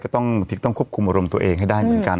บางทีต้องควบคุมอารมณ์ตัวเองให้ได้เหมือนกัน